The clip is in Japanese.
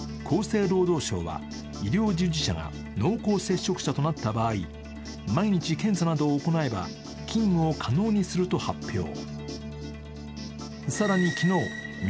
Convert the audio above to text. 厚生労働省は医療従事者が濃厚接触者となった場合、毎日検査などを行えば勤務を可能にすると発表。